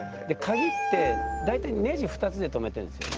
鍵って大体ネジ２つで留めてるんですよ。